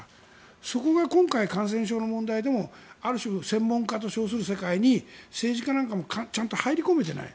そこが今回、感染症の問題でも専門家と称する世界に政治家なんかも入り込めていない。